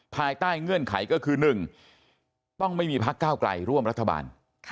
ภายใต้เงื่อนไขก็คือ๑ต้องไม่มีพักเก้าไกลร่วมรัฐบาล